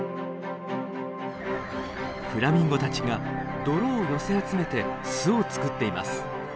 フラミンゴたちが泥を寄せ集めて巣を作っています。